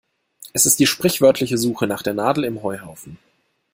Es ist die sprichwörtliche Suche nach der Nadel im Heuhaufen.